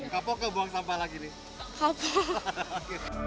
kapok ke buang sampah lagi nih